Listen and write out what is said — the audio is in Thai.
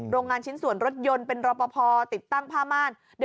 โรงงานชิ้นส่วนรถยนต์เป็นรอปภติดตั้งผ้าม่าน